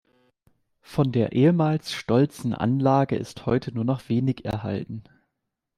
Von der ehemals stolzen Anlage ist heute nur noch wenig erhalten.